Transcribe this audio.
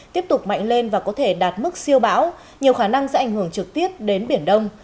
tiếp tục mạnh lên và có thể đạt mức siêu bão nhiều khả năng sẽ ảnh hưởng trực tiếp đến biển đông